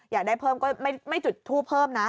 อยากได้เพิ่มก็ไม่จุดทูปเพิ่มนะ